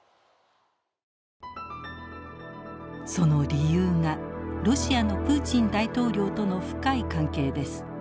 その理由がロシアのプーチン大統領との深い関係です。